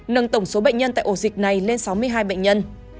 nâng tổng số bệnh nhân tại ổ dịch này lên sáu mươi hai bệnh nhân